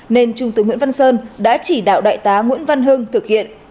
nên trung tướng nguyễn văn sơn đã chỉ đạo đại tá nguyễn văn hưng thực hiện